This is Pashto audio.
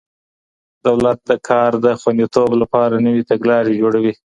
دولت د کار د خوندیتوب لپاره نوي تګلارې جوړوي.